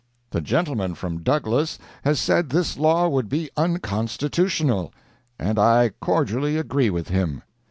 The gentleman from Douglas has said this law would be unconstitutional, and I cordially agree with him.